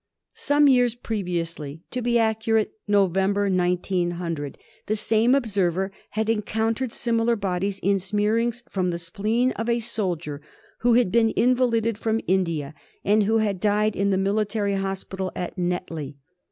Some years previously — to be accurate, November, 1900 — the same observer had encountered similar bodies in smearings from the spleen of a soldier who had been invalided from India and who had died in the military hospital at Netley.